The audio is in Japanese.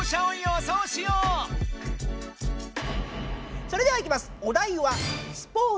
それではいきます。